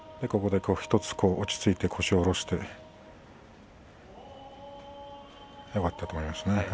１つ落ち着いて、腰を下ろしてよかったと思いますね。